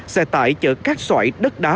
xe tải chở các xoải đất đáy